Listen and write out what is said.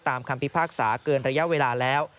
คำพิพากษาเกินระยะเวลาแล้ว